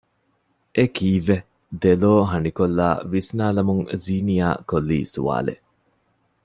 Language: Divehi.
އެކީއްވެ؟ ދެލޯ ހަނިކޮއްލާ ވިސްނާލަމުން ޒީނިޔާ ކޮއްލީ ސުވާލެއް